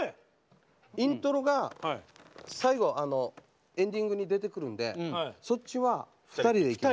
イントロが最後エンディングに出てくるんでそっちは２人で。